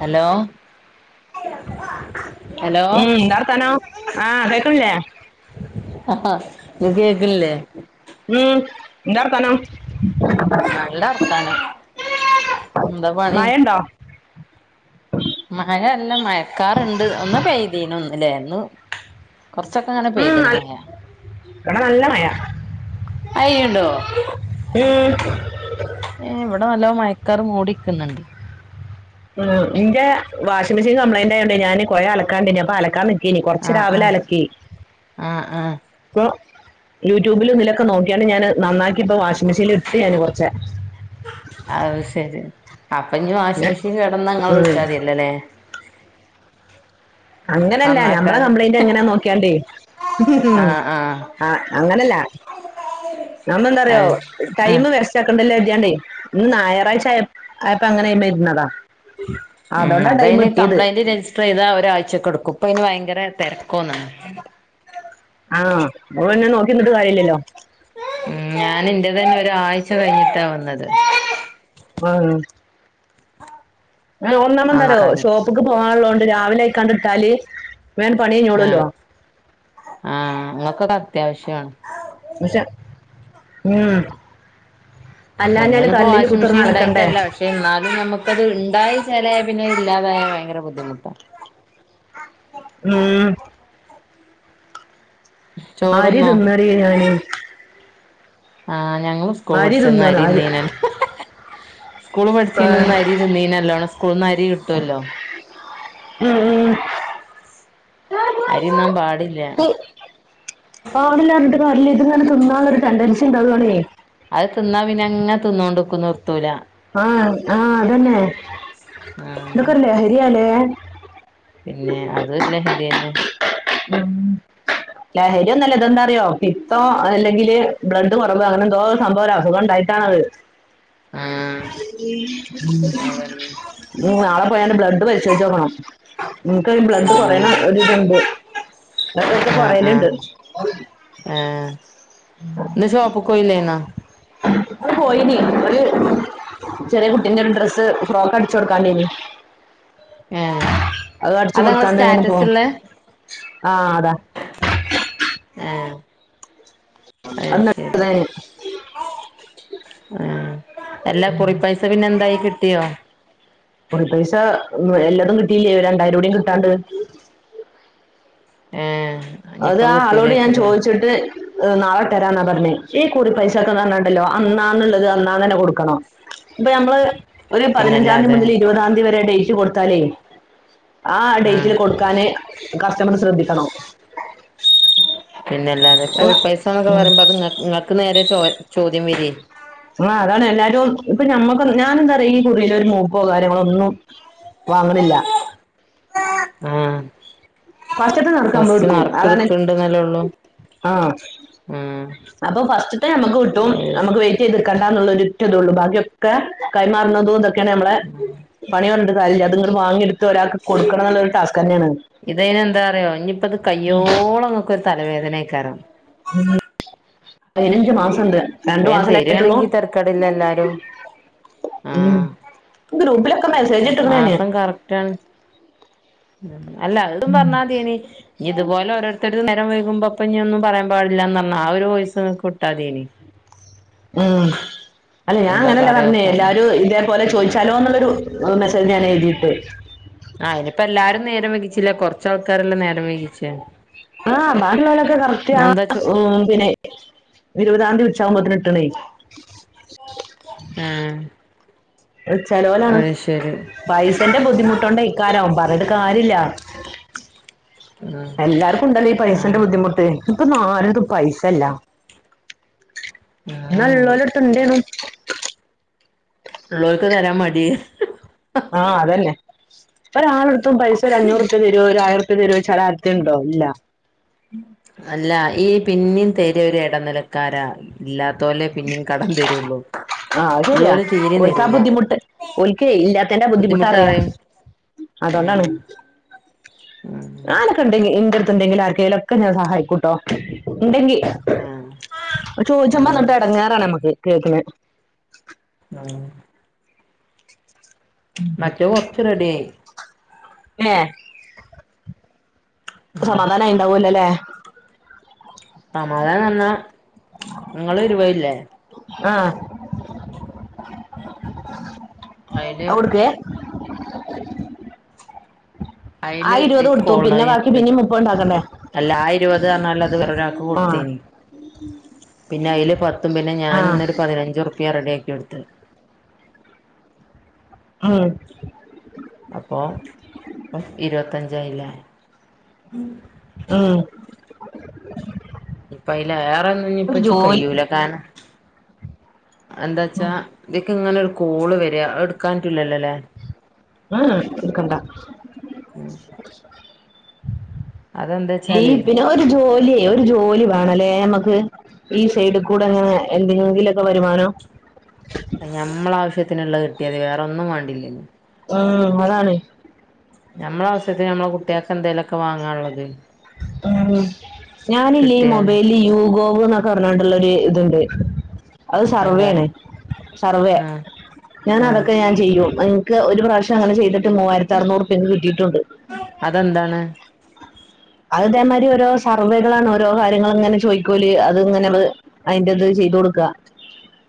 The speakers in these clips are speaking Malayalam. ഹലോ ഹലോ ഉം എന്താർഥാനോ ആഹ് കേക്കില്ലേ ആ ന കേക്കണില്ലേ ഉം എന്താർഥാന നല്ല അർഥാണ് എന്താ പണ മഴ ഉണ്ടോ മഴല്ല മയക്കാറുണ്ട് ഒന്നാ പെയതീന ഒന്നല്ലേു കുറച്ചൊക്കെ അങ്ങനെ ഉം പെയ്തണ നൽ- മയാ ഇവിടെ നല്ല മഴ അയുണ്ടോ ഉം ഏ എവിടെ നല്ലോ മ ചക്കർ ഓടിക്കുന്നുണ്ട് ഉ്മ് ഇന്റെ വാഷിംഗ്െഷീൻ കംപ്ലയിന്റയണ്ടണ്ട് ഞാന്ൻ കൊറെ അലക്കാണ്ടന്നെ അപ്പൊ അലക്കാൻ കൊറച്ച് ആഹ് രാവിലെ ആഹ് അലക്കി ആഹ് ആഹ് ഇപ്പൊ യൂട്യൂബിൽ നിലൊക്കെ നോക്കിയാാണ് ഞാന് നന്നാക്കി ഇപ്പോ വാഷിംഗ് മെഷീനിൽ ഇട്ട് ഞാാന് കുറച്ചേ അത് ശരി അപ്പ ഇ വാഷിംഗ ഇങ്ങനെ, മെഷീൻ കടന്ന് അങ്ങെ ഉം, വിളിച്ചാ മതില്ലല്ലേ അങ്ങനെയല്ല നഞമ്മള നന്നാക്കാന് കംപ്ലൈന്റ് എങ്ങനാ നോക്കിയാണ്ടേ ആഹ് ആഹ് ആഹ അങ്ങനല്ല നമ്മെന്താ പറയോ അത് ടൈം ആഹ് വരച്ചൊക്കണ്ടല്ലോ ണ്ടേന്ന് ഞായറാഴ്ചയ ആയപ്പ അങ്ങനെ്മ വരുന്നതാ അതൊണ്ടാ ടൈം കിട്ടിയത് ഇതാ ഒരാഴ്ചക്ക കൊടുക്കും ഇപ്പൊ ഇന് ഭയങ്കര തിരക്കൊ ഒന്നാണ് ആഹ് അ എന്നെ നോക്കിന്നിട്ട കാര്യല്ലല്ലോ അ തന്നെ ഒരാഴ്ച കഴിഞ്ഞിട്ടാ വന്നത് ആഹ ഒന്നാമതെന്താറിയ്യോ നന്നാക്കാന് ഷോപ്പ്ക്ക് പോകാന്ള്ളതോണ്ട് രാവിലെ ആയിക്കാണ്ട്ട്ടാല് ആഹ് ആഹ് ഇങ്ങക്കൊക്കെ അത്യാവശ്യാണ് പക്ഷെ ഉം അല്ലാഞ്ഞാല് മുന്നൊന്നു ഇപ്പോ കല്ലില് വാഷിംഗ് കുത്തിർന്ന് മെഷീൻ അലക്കണ്ടേ ഉണ്ടായിട്ടല്ല പക്ഷെ എന്നാലും നമ്മുക്കത് ഇണ്ടായി ചെലേ പിന്നെ ഇല്ലാതായാ ഭയങ്കര ബുദ്ധിമുട്ടാ ഉം അരി ചോറുന്നോ തിന്നറിയ ഞാന് ആഹ് ഞങ്ങള് സ്കൂൾ പഠിച്ചന്ന് അരി തിന്നേന് സ്കൂള് ആ, പഠിച്ചന്ന് അരി തിന്നീനല്ലോണം. സ്കൂള്ന്ന് അരി കിട്ടുവല്ലോ ഉം ഉം അരി തിന്നാൻ പാടില്ല പാടില്ലാറഞ്ഞിട്ട് കാര്യല്ല. ഇത്ങ്ങനെ തിന്നാനൊരു ടെണ്ടൻസി ഇണ്ടാവ്വാണേ അത് തിന്നാ പിന്നെ അങ്ങെ തിന്നോണ്ട്ക്കു. നിർ ആഹ് ആഹ് അതന്നെ. ആഹ് ഇതൊക്കെ ഒരു ലഹരിയാല്ലേ പിന്നെ അതു ഒരു ലഹരി തന്നെ ഉം ലഹരി ഒന്നല്ല. ഇതെന്താറിയോ പിത്തോ അല്ലെങ്കില് ബ്ലഡ് കുറവ് അങ്ങനെ എന്തോ സംഭവാ ഒരു അസുഖണ്ടായി ബാവ്. ആഹ് അതന്നെ ഉം നാളെ പോയന്റെ ബ്ലഡ് പരിശോച്ച് നോക്കണം. ഇനിക്ക് ബ്ലഡ് കൊറയണ ഒരിത്ണ്ട് അതൊക്കെ ആഹ് പറയല്ണ്ട് ആഹ് നീ ഷോപ്പ്ക്ക് പോയില്ലേനാ? ഇപ്പൊ പോയിന് ഒരു ചെറിയ കുട്ടിന്റെ ഒരു ഡ്രസ്സ് ഫ്രോക്ക് അടിച്ചു കൊടുക്കാന്ണ്ടേനി ഏഹ് അത് അടിച്ചു അതാ ഇങ്ങളെ കൊടുത്താണ്ട് എങ്ങെനെ സ്റ്റാറ്റസ് പോകും ഇള്ളേ ആഹ് അതാ ഏഹ് [unintelligible] ഉം അല്ല കുറി പൈസ പിന്നെ എന്തായി കിട്ടിയോ കുറി പൈസ എല്ലാതും കിട്ടിയില്ലേ രണ്ടായിരം കൂടിയും കിട്ടാന്ണ്ട് ഏഹ് അത് ഇനിയിപ്പോ ആ ആളോട് ഞാൻ കിട്ടൂലേക്കൂലേ ചോദിച്ചിട്ട് നാളെ തരാന്നാ പറഞ്ഞേ ഈ കുറി പൈസ ഒക്കെ പറഞ്ഞാ ഉണ്ടല്ലോ അന്നാന്നുള്ളത് അന്നാന്ന് തന്നെ കൊടുക്കണം ഇപ്പൊ ഞമ്മള് ഒരു പതിനഞ്ചാം തീയതി പിന്നല്ലാതെ മുതൽ ഇരുപതാം തീയതി വരെ ഡേറ്റ് കൊടുത്താലേ ആ ആഹ് ഡേറ്റില് കൊടുക്കാന് കസ്റ്റമർ ശ്രദ്ധിക്കണം പിന്നല്ലാതെ ഇപ്പോ അല്ല പൈസാന്നൊക്കെ ഉം. പറയുമ്പോ അത് നിങ്ങ നിങ്ങക്ക് നേരെ ചോ ചോദ്യം വരിയേ ആഹ് അതാണ് എല്ലാരും ഇപ്പൊ ഞമ്മക്ക് ഞാന് എന്താ പറയാ ഈ കുറിയില് ഒരു മൂക്കോ കാര്യങ്ങളോ ഒന്നും വാങ്ങണില്ല ആഹ് ഫസ്റ്റിലത്തെ നറുക്ക് ഫസ്റ്റ് അമ്മളെടുക്കും നറുക്ക് അതാണ് ഇട്ക്ക്ണ്ട്ന്നല്ലേ ഒള്ളൂ ആഹ് ആഹ് അപ്പൊ ഫസ്റ്റ്ത്തെ നമ്മുക്ക് കിട്ടും അത് നമുക്ക് ശരി വെയിറ്റ് ചെയ്ത് നിക്കണ്ടാന്നുള്ള ഒരൊറ്റ ഇതേ ഒള്ളു ബാക്കിയൊക്കെ കൈമാറുന്നതു ഇതെക് ക്കണ് അമ്മളെ പണി പറഞ്ഞിട്ട് കാര്യല്ല. ഇത്ങ്ങട് വാങ്ങി എടുത്ത് ഒരാൾക്ക് കൊടുക്കണത് എന്നുള്ളത് ഒര് ടാസ്ക് തന്നെയാണ് ഇതയിന് എന്താ അറിയ്യോ ഇനിയിപ്പത് കയ്യോളം നിങ്ങക്കൊരു തലവേദനയെക്കാരം ഉം പതിനഞ്ച് മാസം ഉണ്ട് രണ്ടു വേം മാസവല്ലേ ആയിട്ടുള്ളു തരാണെങ്കി തരക്കേടില്ല എല്ലാരും ഉം ആഹ് ഗ്രൂപ്പില് മാസം കറക്റ്റാണ്. ഉം അല്ല അവരോടും പറഞ്ഞാ മതി ഇനി ഇതുപോലെ ഓരോരുത്തരും നേ നേരം വൈകുമ്പോ അപ്പൊ ഇനി ഒന്നും പറയാൻ പാടില്ലന്ന് പറഞ്ഞ് ആ ഒരു വോയിസ്‌ നിങ്ങക്ക് ഇട്ടാ മതി ഇനി ഉം അല്ല ഞാൻ അങ്ങനെയല്ല പറഞ്ഞേ പറയോക്കാലോ എല്ലാരും ഇതേപോലെ ചോദിച്ചാലോന്നുള്ളൊരു മെ സ്സേജ് ഞാൻ എഴുതിയിട്ട് ആഹ് ഇനിയിപ്പം എല്ലാരും നേരം വൈകിച്ചില്ലെ കൊറച്ചാള്ക്കാരല്ലേ നേരം വൈകിച്ചെ ആഹ് ബാക്കിയുള്ളവരൊക്കെ കറക്റ്റ് ആഹ് ചോ ഉം പിന്നെ ഇരുപതാന്തി ഉച്ച ആവുമ്പത്തെന് ഇട്ടൊളി ഏഹ് ഉം ചെലോലാണ് അത് ശരി പൈസേന്റെ ബുദ്ധിമുട്ടോണ്ടെക്കാരാവും പറഞ്ഞ്ട്ട് കാര്യ ല്ല ഉം എല്ലാർക്കുണ്ടല്ലോ ഈ പൈസേന്റെ ആഹ് ബുദ്ധിമുട്ട് ഇപ്പൊന്നും ആരെടുത്തും പൈസല്ല എന്നാ ഉം ഉള്ളോലെട്ത്ത് ഉണ്ടേനു ഉള്ളവര്ക്ക് തരാൻ മടിയാ ആഹ് അതന്നെ ഒരാളെടുത്തും പൈസ ഒരഞ്ഞൂറുപ്പിയ തരൊ ഒരു ആയിരറുപ്പിയ തരൊ ച്ചാല് ആര്ക്കേണ്ടോ ഇല്ല അല്ല ഈ പിന്നിം തര ഒര് എടനിലക്കാരാ ഇല്ലാ തോല് പിന്നേം കടം തരൂള്ളൂ ആഹ് അത് ശരിയാ ഓല്ക്കാ ബുദ്ധിമുട്ട് ഓല്ക്കേ ഇല്ലാത്തേന്റെ ബുദ്ധിമുട്ടറിയാ ബുദ്ധിമുട്ടറിയും അതോണ്ടാണ് ഉം ഉം ഞാനൊക്കെണ്ടെങ്കി ഇന്റടുത്ത് ഇണ്ടെങ്കില് ആർക്കേലൊക്കെ ഞാൻ സഹായിക്കൂട്ടോ ഉണ്ടെങ്കി ഉം ഉം ചോയിച്ചുമ്പങ്ങട്ട് എടങ്ങേറാണ് നമ്മക്ക് കേൾക്ക്ണെ ആഹ് മറ്റേ കൊറച്ച് റെഡി ആയി ഏഹ് സമാധാനായിണ്ടാവോല്ലല്ലേ സമാധാനം എന്നാ ഇങ്ങള് ഇരുവല്ലേ ആഹ് അയില് അവിടുത്തെ അയില് പിന്നെ [unintelligible] ഞാൻ ബാക്കി റി പിന്നേം മുപ്പത് ഉണ്ടാക്കണ്ടേ അല്ല ആ ഇരുപതറ്ഞ്ഞാല് അത് വേറെ ഒരാക്ക് ആഹ് കൊടുത്തേനി പിന്നെ അയില് പത്തും പിന്നെ ഞാന് ആഹ് ഇന്നൊരു പതിനഞ്ചുറുപ്പിയ റെഡിയാ എടുത്ത് ആ അപ്പൊ ഇപ്പം ഇരുപത്തഞ്ചായില്ലേ ആ ഇപ്പയില് ഏറെന്നും ഞ്ഞ്പ്പച്ച് ജോലി കയ്യൂല കാര്ണം എന്താച്ചാ ഉം ഇതിക്ക്ങ്ങനെ ഒരു കോള് വര അത് എടുക്കാൻ പറ്റൂല്ലല്ലോല്ലേ ഏ എടുക്കണ്ട ലെ അതെന്താച്ചാലേ ഇതിലെ ഒരു ജോലിയേ ഒരു ജോലി വേണല്ലേ നമ്മക്ക് ഈ സൈഡുക്കൂടെങ്ങനെ എന്തെങ്കിലൊക്കെ വരുമാനം അയ്ന് ഞമ്മളാവശ്യത്തിനുള്ളത് കിട്ടിയാതി വേറൊന്നും വാണ്ടില്ലേനു ആ അതാണ് ഞമ്മളാവശ്യത്തിന് നമ്മളെ കുട്ട്യാക്ക് എന്തേലൊക്കെ വാങ്ങാനുള്ളത് ഉം ഞാനില്ലേ ഈ കിട്ടിയാല് മൊബൈല് യൂഗോവ് എന്നൊക്കെ പറഞ്ഞാണ്ട്ള്ളൊര്ത്ണ്ട് അത് എന്താ സർവ്വേണ് സർവ്വെ ആഹ് ഞാൻ ആഹ് അതൊക്കെ ഞാൻ ചെയ്യും ഇൻക്ക് ഒരു പ്രാവശ്യം അങ്ങനെ ചെയ്തിട്ട് മൂവായിരത്തി അറ്ന്നൂറ്പ്യാ കിട്ടിയിട്ടുണ്ട് അതെന്താണ് അത് ഇതേമാതിരി ഓരോ സർവ്വേകളാണ് ഓരോ കാര്യങ്ങള് ഇങ്ങനെ ചോയിക്കോല് അത്ങ്ങനെ മ്മള് അയിന്റത് ചെയ്തൊട്ക്ക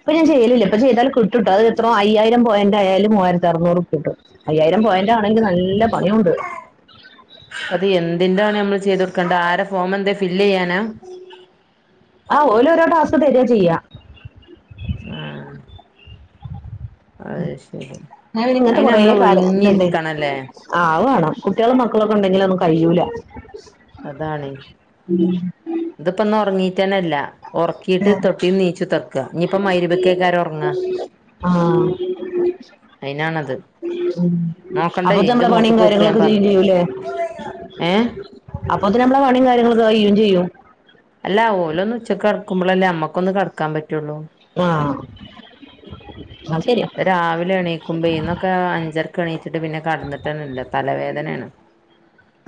ഇപ്പ ഞാൻ ചെയ്യലില്ല ഇപ്പൊ ചെയ്താല് കി ട്ടുട്ടൊ അത് എത്രോ അയ്യായിരം പോയന്റ് ആയാല് മൂവായിരത്തി അറ്നൂറ്പ്പ്യട്ടും അയ്യായിരം പോയന്റ് ആണെങ്കില് നല്ല പണിയുണ്ട് അത് എന്തിൻ്റാണ് നമ്മള് ചെയ്തൊടുക്കെണ്ടെ ആരെ ഫോമെന്തെ ഫില്ലെയ്യാ നാ ആ ഓലോരോ ടാസ്ക് തരാ ചെയ്യാ ആ ആഹ് ശ് ഞാൻ ഇങ്ങനത്തെ കൊറെ കാര്യം ഇണ്ട് ഒഴിഞ്ഞിരിക്കണല്ലേ ആവ് വേണം കുട്ടികളും മക്കളൊക്കെ ഉണ്ടെങ്കില് ഒന്നും കഴിയൂല അതാണ് ഇതിപ്പ ഒന്നും ഉറങ്ങീട്ടേനല്ല ഉം മഗ്‌രിബ്ക്കേക്കാരം ഉറങ്ങാ ആ ഉം അയിനാണത് നോക്കണ്ടേ അപ്പൊ ഇന്റെ നമ്മളെ പണിയും മോത്ത്ക്ക് നോക്ക് ഞാൻ കാര്യങ്ങളൊക്കെ ചെയും പറഞ്ഞിട്ട് ചെയ്യൂല്ലേ ഏഹ് അപ്പൊത്തിന് നമ്മളെ പണിയും കാര്യങ്ങളക്ക കഴിയും ചെയ്യും നമക്കൊന്ന് കടക്കാൻ പ ആ അത് ശരിയാ രാവിലെ എണീക്കുമ്പോ ഇന്നൊക്കെ അഞ്ചരക്ക് എണീച്ചിട്ട് പിന്നെ കടന്നിട്ടന്നല്ല തലവേദനയാണ്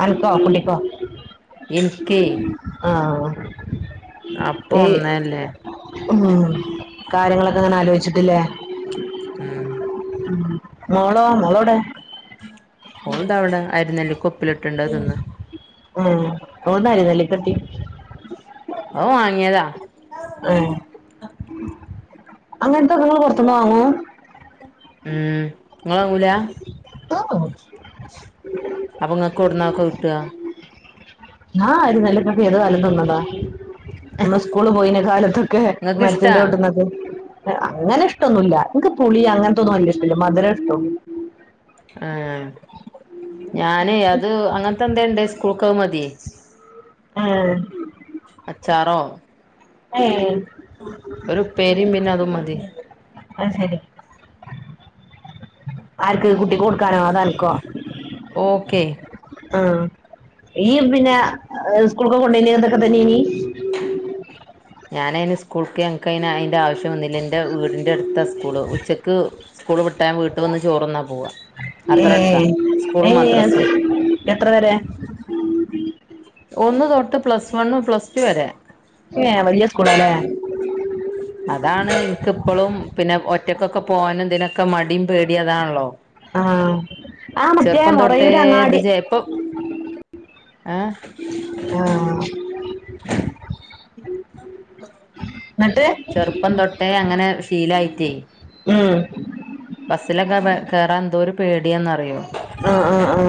അനക്കോ കുണ്ടിക്കോ എനിക്കേ ആ അപ്പൊ ഈ ഒന്നല്ലേ ഉം കാര്യങ്ങളൊക്കെ അങ്ങനെ ആലോചിച്ചിട്ടില്ലേ ഉം മോളോ മോളോടെ ഓൾ താ ഇവിടെ അരിനെല്ലിക്ക ഉപ്പിലിട്ടത് തിന്ന് ഉം ഓന്നാരുന്നല്ലിക്കട്ടി ഓ വങ്ങിയതാ ആ അങ്ങനത്തെ നിങ്ങള് പുറത്തുന്ന് വാങ്ങോ ഉം നിങ്ങ ങ്ങൂല [unintelligible] അപ്പൊങ്ങക്ക് കൊടന്നൊക്കെ കിട്ടാ ആ നല്ല കഷി ഏത കാലം തിന്നതാ നമ്മൾ സ്കൂള് പോയിന കാലത്തൊക്കെ നിങ്ങക്ക് ഇഷ്ടാ മരത്തിന്റെ തൊട്ടന്നൊക്കെ അങ്ങനെ ഇഷ്ടൊന്നുല്ല എനിക്ക് പുളി അങ്ങനത്തെന്നും വലിയ ഇഷ്ടമില്ല മധുരം ഇഷ്ട ആ ഞാന് അത് അങ്ങ തന്തെണ്ട് സ്കൂൾക്ക് അ മതിയേ ആ അച്ചാറോ ഏ ഒരു പേരയും പിന്നെ അതും മതി അത് ശരി ആർക്ക് കുട്ടി കൊടുക്കാനോ അതൻക്കോ ഓക്കെ ആ ഈ പിന്നെ സ്കൂൾക്കെ കൊണ്ടോന അതൊക്കെ തന്നെ ഇനി ഞാനയിന് സ്കൂൾക്ക് എനക്ക്യി അയിന്റെ ആവശ്യം വന്നില്ല എന്റെ വീടിന്റെ അടുത്ത സ്കൂള് ഉച്ചക്ക് സ്കൂള് വിട്ടാൽ ഞാൻ വീട്ട് വന്ന് ചോറന്നാ പോവാ ഏ അത്ര അടുത്താ ഏ സ്കൂളും മദ്രസും എത്ര വരെ ഒന്ന് തൊട്ട് പ്ലസ് വണ്ണും പ്ലസ് ടു വരെ ഏ വലിയ സ്കൂളാല്ലേ അതാണ് എനിക്കിപ്പളും പിന്നെ ഒറ്റക്കൊക്കെ പോകാനും ഇതിനൊക്കെ മടിയും പേടിയും അതാണല്ലോ ആ ആ മറ്റേ ചെറുപ്പം തൊട്ടേ മുറയൂര് അങ്ങാടി ആ ആ എന്നിട്ട് ചെറുപ്പം തൊട്ടേ അങ്ങനെ ശീലായിറ്റേ മ് ബസ്സിലൊക്കെ കേറാൻ എന്തൊരു പേടിയന്നറിയോ ആ ആ ആ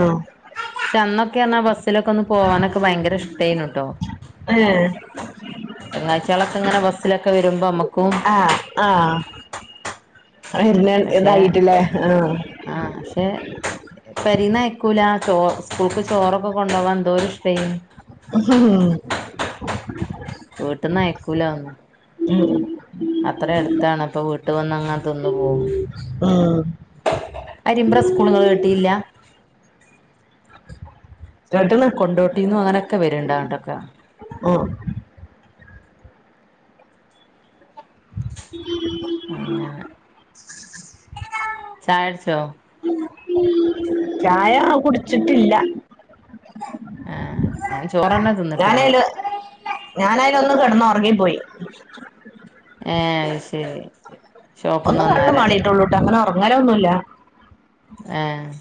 എന്നന്നൊക്കെ പറഞ്ഞാൽ ബസ്സിലൊക്കെ ഒന്ന് പോകാനൊക്കെ ഭയങ്കര ഇഷ്ടേന്നട്ടോ എ ബസിലൊക്കെ വരുമ്പോ നമക്ക് ആഹ് ആഹ് പക്ഷെ ആ ആഹ് പക്ഷെ പെരീന്ന് അയക്കൂല ചോ സ്കൂൾക്ക് ചോറൊക്കെ കൊണ്ടോവാൻ എന്തൊരു ഇഷ്ട്ടേനി ഉം വീട്ടീന്ന് അയക്കൂല അ ഒന്നും ഉം അത്രയും അടുത്താണ് അപ്പൊ വീട്ടിൽ വന്നങ്ങനെ തിന്നു പോവും അരിമ്പ്ര സ്കൂളിങ്ങള് കേട്ടില്ലാ കേട്ടണ് കൊണ്ടോട്ടീന്നും അങ്ങനെയൊക്കെ വര്ണ്ട് അങ്ങട്ടൊക്ക ഉം അങ്ങനെ ചായട്ച്ചോ ചായ കുടിച്ചിട്ടില്ല ആഹ് ഞാൻ ചോറന്നെ തിന്നിട്ടില്ല ഞാനയ്ല് ഞാനയ്ന് ഒന്ന് കിടന്ന് ഉറങ്ങിപ്പോയി എഹ് അഹ് ശരി ഷോപ്പ്ന്ന് ഒന്ന് കണ്ണു വന്നാരെ മാളീട്ട് ഉള്ളൂട്ടോ അങ്ങനെ ഒറങ്ങൽ ഒന്നുല്ല ഏഹ്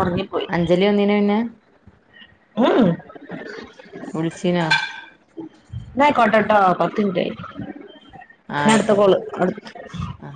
ഉറങ്ങിപ്പോയി അഞ്ജലി വന്നിന്യോ പിന്നെ ഉം വിളിച്ചിനോ ഇന്ന ആയിക്കോട്ടട്ടൊ പത്തുമിനിറ്റ് ആയി ആഹ് ഇഞ ട്ത്ത ആയിക്കോട്ടെ കോള് അടു ആഹ്